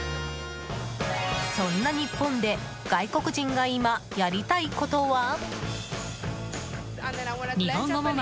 そんな日本で外国人が今やりたいことは？